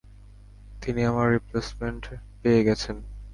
তিনি আমার রিপ্লেইসমেন্ট পেয়ে গেছেন।